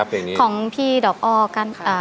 มันเป็นสำเนียง